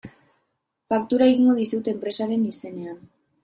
Faktura egingo dizut enpresaren izenean.